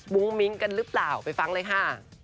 มิ้งกันหรือเปล่าไปฟังเลยค่ะ